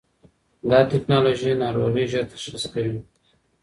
دا ټېکنالوژي ناروغي ژر تشخیص کوي.